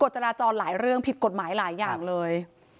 จราจรหลายเรื่องผิดกฎหมายหลายอย่างเลย